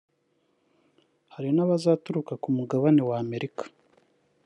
hari n’abazaturuka ku mugabane wa Amerika